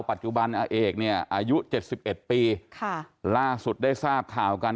ปัจจุบันอาเอกเนี่ยอายุเจ็ดสิบเอ็ดปีค่ะล่าสุดได้ทราบข่าวกัน